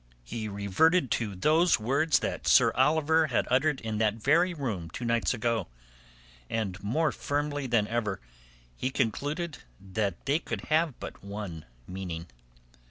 He reverted to those words Sir Oliver had uttered in that very room two nights ago, and more firmly than ever he concluded that they could have but one meaning.